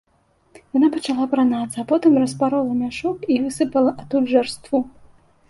Яна пачала апранацца, а потым распарола мяшок і высыпала адтуль жарству.